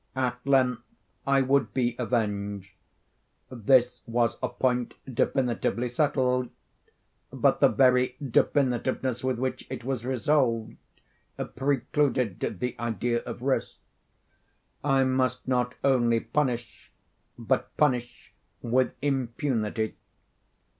At length I would be avenged; this was a point definitively settled—but the very definitiveness with which it was resolved, precluded the idea of risk. I must not only punish, but punish with impunity.